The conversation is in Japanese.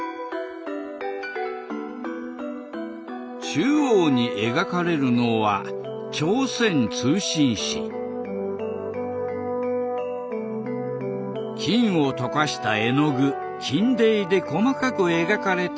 中央に描かれるのは金を溶かした絵の具金泥で細かく描かれた雲。